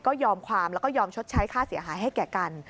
ก็ยอมความแล้วก็ยอมชดใช้ค่าเสียหายให้แก่กัน